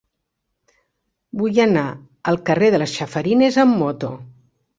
Vull anar al carrer de les Chafarinas amb moto.